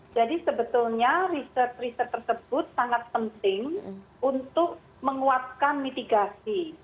jadi sebetulnya riset riset tersebut sangat penting untuk menguatkan mitigasi